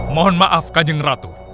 mohon maaf kajeng ratu